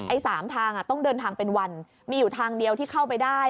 ๓ทางต้องเดินทางเป็นวันมีอยู่ทางเดียวที่เข้าไปได้